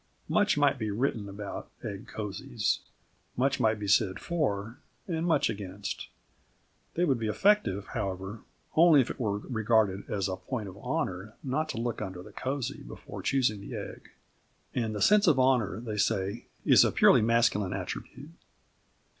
Much might be written about egg cosies. Much might be said for and much against. They would be effective, however only if it were regarded as a point of honour not to look under the cosy before choosing the egg. And the sense of honour, they say, is a purely masculine attribute.